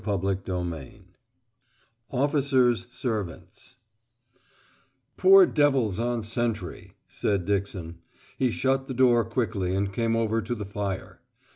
CHAPTER XII OFFICERS' SERVANTS "Poor devils on sentry," said Dixon. He shut the door quickly and came over to the fire.